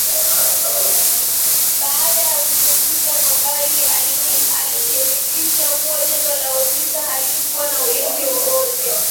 Baada ya kuchunguza kwa mbali alijiridhisha kuwa jengo la ofisi halikuwa na ulinzi wowote